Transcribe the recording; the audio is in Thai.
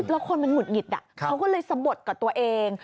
แล้วคนมันหุดหงิดเขาก็เลยสะบดกับตัวเอง